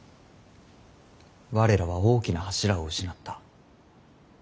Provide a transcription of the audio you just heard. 我らは大きな柱を失った。